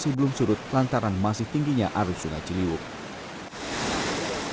masih belum surut lantaran masih tingginya arus sungai ciliwung